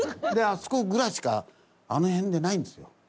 あそこぐらいしかあの辺でないんですよ。